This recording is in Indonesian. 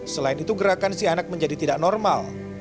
selain itu gerakan si anak menjadi tidak normal